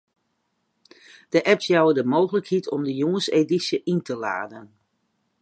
De apps jouwe de mooglikheid om de jûnsedysje yn te laden.